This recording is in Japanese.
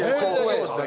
そうです